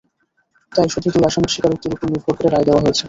তাই শুধু দুই আসামির স্বীকারোক্তির ওপর নির্ভর করে রায় দেওয়া হয়েছে।